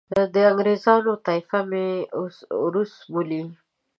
د انګریزانو طایفه مې اوروس بولي.